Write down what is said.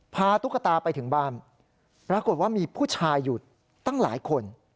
ตุ๊กตาไปถึงบ้านปรากฏว่ามีผู้ชายอยู่ตั้งหลายคน